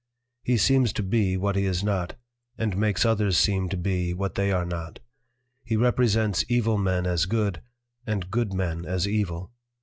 _ He seems to be what he is not, and makes others seem to be what they are not. He represents evil men as good, and good men as evil.